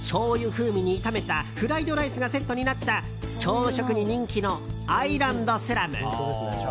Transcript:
風味に炒めたフライドライスがセットになった朝食に人気のアイランドスラム。